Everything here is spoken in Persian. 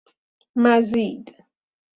مزید